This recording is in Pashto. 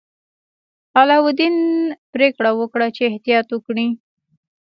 علاوالدین پریکړه وکړه چې احتیاط وکړي.